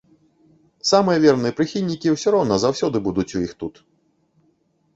Самыя верныя прыхільнікі ўсё роўна заўсёды будуць у іх тут.